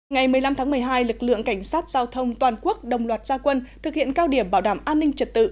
ngày một mươi năm tháng một mươi hai lực lượng cảnh sát giao thông toàn quốc đồng loạt gia quân thực hiện cao điểm bảo đảm an ninh trật tự